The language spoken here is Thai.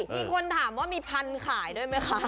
มีคนถามว่ามีพันธุ์ขายด้วยไหมคะ